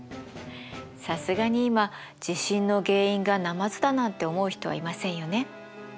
さすがに今地震の原因がナマズだなんて思う人はいませんよね。